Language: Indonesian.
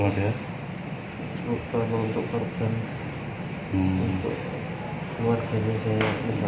nyesel mas ya